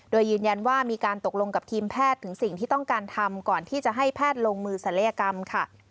โดยยืนยันว่ามีการตกลงกับทีมแพทย์ถึงสิ่งที่ต้องการทำก่อนที่จะให้แพทย์ลงมือศัลยกรรมค่ะ